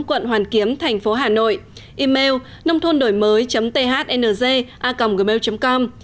quận hoàn kiếm thành phố hà nội email nôngthondổimới thng a gmail com